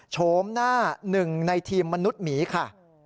โฉมหน้าหนึ่งในทีมมนุษย์หมีค่ะ